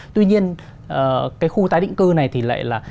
tuy nhiên cái khu tái định cư này thì lại là